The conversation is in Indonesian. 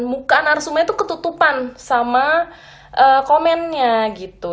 mukaan arsumen itu ketutupan sama komennya gitu